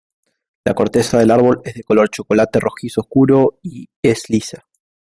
La corteza del árbol es de color chocolate rojizo oscuro y es lisa.